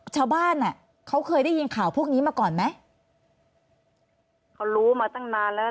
ชาวบ้านอ่ะเขาเคยได้ยินข่าวพวกนี้มาก่อนไหมเขารู้มาตั้งนานแล้ว